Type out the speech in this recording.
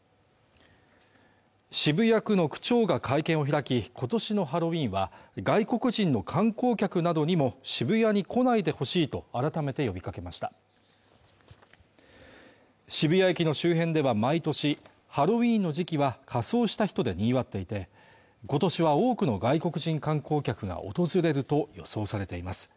渋谷区の区長が会見を開き今年のハロウィーンは外国人の観光客などにも渋谷に来ないでほしいと改めて呼びかけました渋谷駅の周辺では毎年ハロウィーンの時期は仮装した人でにぎわっていて今年は多くの外国人観光客が訪れると予想されています